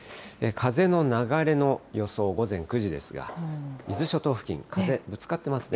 風の流れの予想、午前９時ですが、伊豆諸島付近、風、ぶつかってますね。